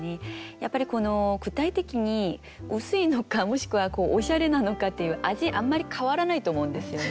やっぱり具体的に薄いのかもしくはおしゃれなのかっていう味あんまり変わらないと思うんですよね。